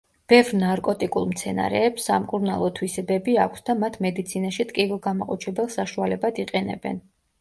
ბევრ ნარკოტიკულ მცენარეებს სამკურნალო თვისებები აქვს და მათ მედიცინაში ტკივილგამაყუჩებელ საშუალებად იყენებენ.